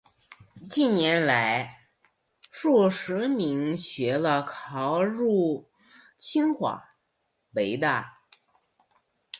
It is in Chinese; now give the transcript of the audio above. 近年来，数十名学子考入清华、北大